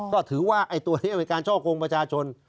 ก็ถือว่าไอ้ตัวนี้เป็นการช่อกงประชาชน